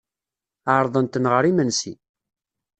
Ɛerḍen-ten ɣer yimensi.